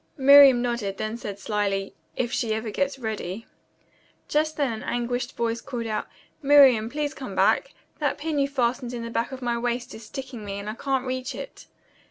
Miriam nodded, then said slyly, "If she ever gets ready." Just then an anguished voice called out, "Miriam, please come back. That pin you fastened in the back of my waist is sticking me and I can't reach it."